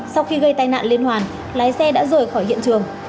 sau khi gây tai nạn liên hoàn lái xe đã rời khỏi hiện trường